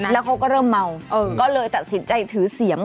แล้วเขาก็เริ่มเมาก็เลยตัดสินใจถือเสียง